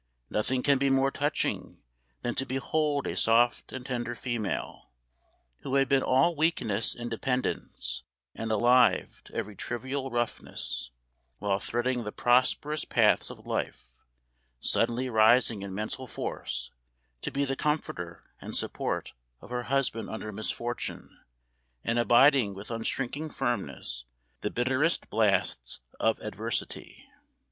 Nothing can be more touching, than to behold a soft and tender female, who had been all weakness and dependence, and alive to every trivial roughness, while threading the prosperous paths of life, suddenly rising in mental force to be the comforter and support of her husband under misfortune, and abiding with unshrinking firmness the bitterest blasts of adversity.